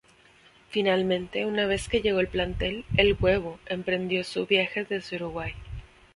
Finalmente, una vez que llegó el plantel, el "Huevo" emprendió su viaje desde Uruguay.